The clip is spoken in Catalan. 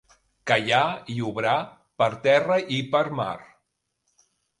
Callar i obrar per terra i per mar.